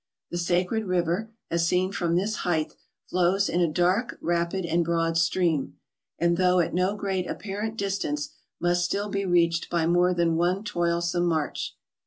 The sacred river, as seen from this height, flows in a dark, rapid, and broad stream, and, though at no great apparent distance, must still be reached by more than one toilsome march.